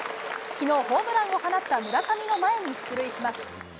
きのう、ホームランを放った村上の前に出塁します。